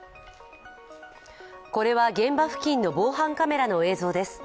これは現場付近の防犯カメラの映像です。